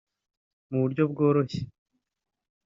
Mu buryo bworoshye